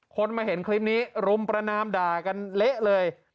คนมาเห็นคลิปนี้รุมประนามด่ากันเละเลย